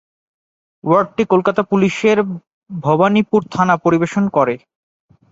ওয়ার্ডটি কলকাতা পুলিশের ভবানীপুর থানা পরিবেশন করে।